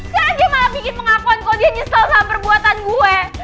saya aja malah bikin pengakuan kok dia nyesel sama perbuatan gue